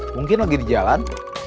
mungkin lagi di jalan